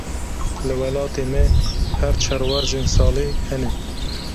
Li welatê me, her çar werzên salê hene.